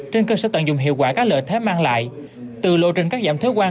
trên cơ sở tận dụng hiệu quả các lợi thế mang lại từ lộ trình các giảm thế quan